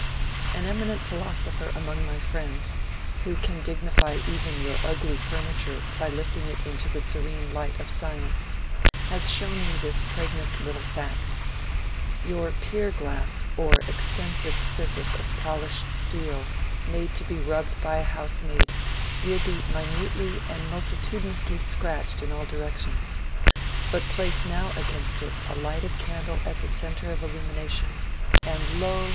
An eminent philosopher among my friends, who can dignify even your ugly furniture by lifting it into the serene light of science, has shown me this pregnant little fact. Your pier glass or extensive surface of polished steel made to be rubbed by a housemaid, will be minutely and multitudinously scratched in all directions; but place now against it a lighted candle as a centre of illumination, and lo!